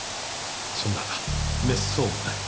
そんなめっそうもない。